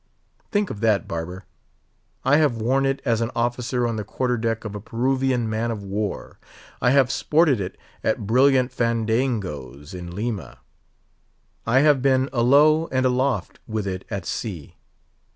Think of that, barber! I have worn it as an officer on the quarter deck of a Peruvian man of war. I have sported it at brilliant fandangoes in Lima. I have been alow and aloft with it at sea.